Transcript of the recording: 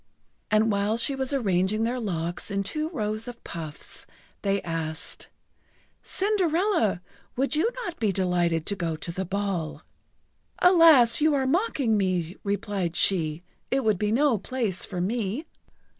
And while she was arranging their locks in two rows of puffs, they asked: "Cinderella, would you not be delighted to go to the ball?" "Alas, you are mocking me!" replied she. "It would be no place for me!"